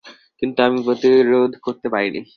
কিন্তু আমি প্রতিরোধ করতে পারিনি।